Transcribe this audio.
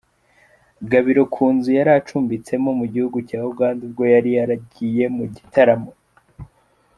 Gabiro ku nzu yari acumbitsemo mu gihugu cya Uganda ubwo yari yaragiye mu gitaramo.